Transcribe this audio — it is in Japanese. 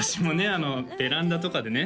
あのベランダとかでね